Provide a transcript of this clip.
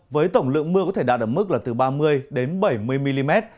với tổng lượng mưa có thể đạt ở mức là từ ba mươi đến bảy mươi mm